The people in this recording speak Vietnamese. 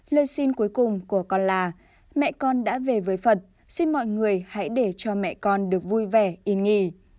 lời xin cuối cùng của con là mẹ con đã về với phật xin mọi người hãy để cho mẹ con được vui vẻ yên nghỉ